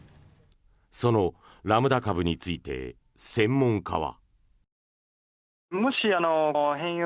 そのラムダ株について専門家は。